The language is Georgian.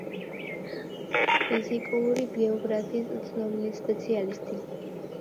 ფიზიკური გეოგრაფიის ცნობილი სპეციალისტი.